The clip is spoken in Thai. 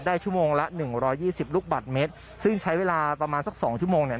ชั่วโมงละหนึ่งร้อยยี่สิบลูกบาทเมตรซึ่งใช้เวลาประมาณสักสองชั่วโมงเนี่ย